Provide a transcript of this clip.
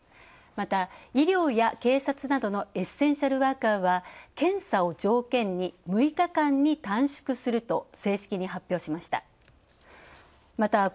また、医療や警察などのエッセンシャルワーカーは検査を条件に、６日間に短縮すると正式に発表しました。